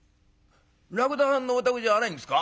らくださんのお宅じゃないんですか？」。